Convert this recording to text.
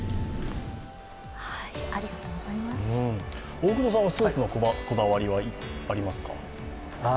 大久保さんはスーツのこだわりはありますか？